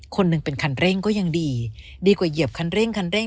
คนหนึ่งเป็นคันเร่งก็ยังดีดีกว่าเหยียบคันเร่งคันเร่ง